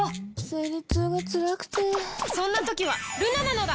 生理痛がつらくてそんな時はルナなのだ！